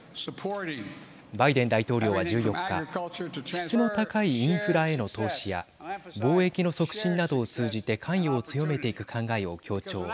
バイデン大統領は１４日質の高いインフラへの投資や貿易の促進などを通じて関与を強めていく考えを強調。